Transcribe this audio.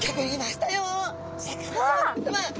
シャーク香音さま皆さま